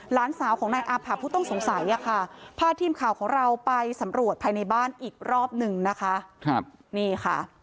หลานสาวของนายอาผะผู้ต้องสงสัยค่ะพาทีมข่าวของเราไปสำรวจภายในบ้านอีกรอบหนึ่งนะคะนี่ค่ะ